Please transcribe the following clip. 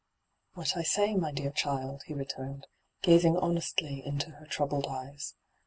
' What I say, my dear child,' he returned, gazing honestiy into her troubled eyes.